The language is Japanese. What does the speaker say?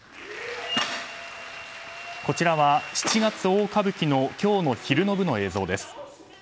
こちらは「七月大歌舞伎」の今日の昼の部の映像です。